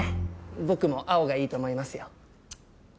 僕も青がいいと思いますよ。